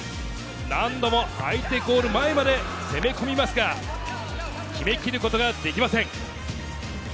何度も相手ゴール前まで攻め込みますが、決め切ることができません。